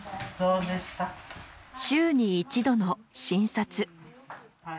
週に一度の診察。